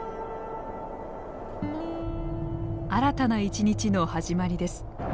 新たな一日の始まりです。